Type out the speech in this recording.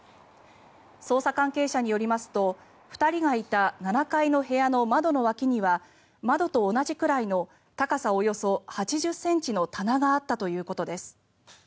捜査関係者によりますと２人がいた７階の部屋の窓の脇には窓と同じくらいの高さおよそ８０ｃｍの棚があったということです。